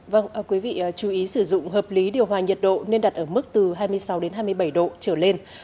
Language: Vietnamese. vâng quý vị chú ý sử dụng hợp lý điều hòa nhiệt độ nên đặt ở mức từ hai mươi sáu hai mươi bảy độ trở lên